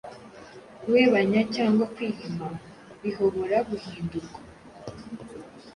guebanya cyangwa kwihima bihobora guhindurwa